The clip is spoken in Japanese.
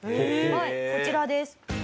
はいこちらです。